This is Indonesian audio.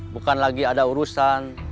bukan lagi ada urusan